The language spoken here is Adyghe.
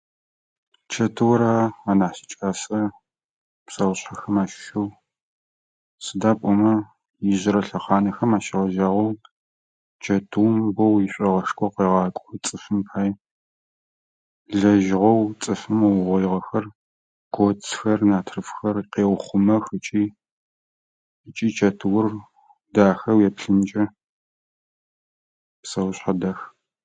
Чэтыуэ ра анахь сикӏасэр, псэушъхьэхэм ащыщэу. Сыда пӏомэ ижърэ лъэхьанхэм ащэгъэжьагъэу чэтыум бо ишъуӏэгъэшко къегакӏо цӏыфым пай. Лэжьыгъэу цӏыфым ыугъоигъэхэр: коцхэр, натрыфхэр къеухъумэх ыкӏи. Ыкӏи чэтыур дахэ уеплъынкӏэ. Псэушъхьэ дах.